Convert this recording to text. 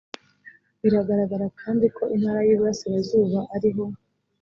biragaragara kandi ko intara y iburasirazuba ariho